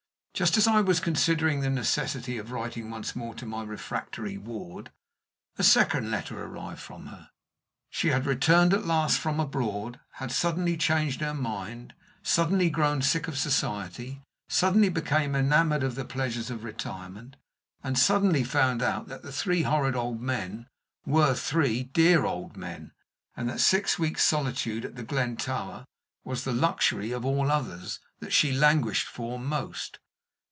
Just as I was considering the necessity of writing once more to my refractory ward, a second letter arrived from her. She had returned at last from abroad, had suddenly changed her mind, suddenly grown sick of society, suddenly become enamored of the pleasures of retirement, and suddenly found out that the three horrid old men were three dear old men, and that six weeks' solitude at The Glen Tower was the luxury, of all others, that she languished for most.